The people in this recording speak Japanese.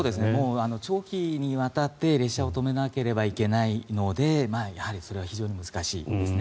長期にわたって列車を止めなければいけないのでそれはやはり非常に難しいですね。